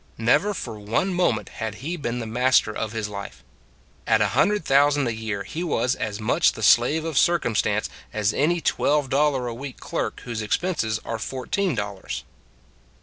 Never for one moment had he been the master of his life. At a hundred thousand a year he was as much the slave of circumstance as any twelve dollar a week clerk whose expenses are fourteen dollars.